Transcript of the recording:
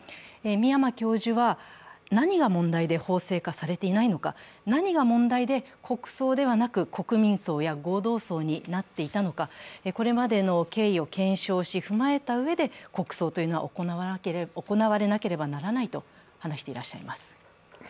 宮間教授は、何が問題で法制化されていないのか、何が問題で国葬ではなく国民葬や合同葬になっていたのか、これまでの経緯を検証し、踏まえたうえで国葬というのは行わなければならないとおっしゃっています。